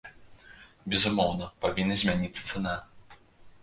Безумоўна, павінна змяніцца цана!